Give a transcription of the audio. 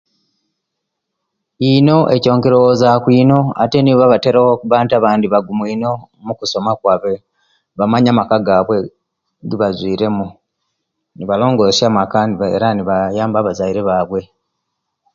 Ino ekyo enkiroboza ku ino ate nibo abatera okuba nti abandi bagumu ino mukusoma kwaabwe, bamanya amaka gaibwe ejebaviremu, nebalongosia amaka, era nebayamba abazaire baabwe.